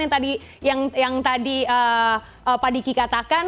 yang tadi pak diki katakan